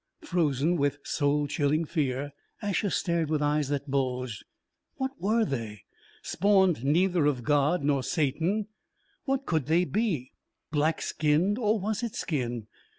Frozen with soul chilling fear, Asher stared with eyes that bulged. What were they? Spawned neither of God nor Satan what could they be? Black skinned or was it skin?